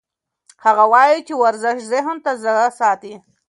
هغه وایي چې ورزش ذهن تازه ساتي.